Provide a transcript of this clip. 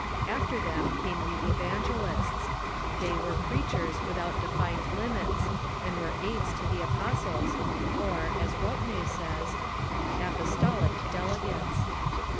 After them came the cA'angelists. They Avere preachers Avithout defined limits, and Avere aids to the apostles, or, as Rome says, " apostolic delegates."